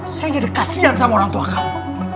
saya jadi kasian sama orang tua kamu